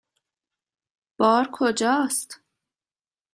بار کجاست؟